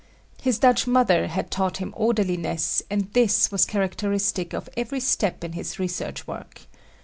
His Dutch mother had taught him orderliness and this was characteristic of every step in his research work.